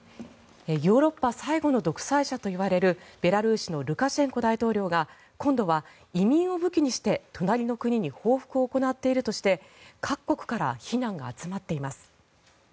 ヨーロッパ最後の独裁者といわれるベラルーシのルカシェンコ大統領が今度は移民を武器にして隣の国に報復を行っているとして各国から非難が集まっています。